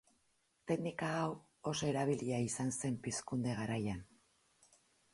Teknika hau oso erabilia izan zen Pizkunde garaian.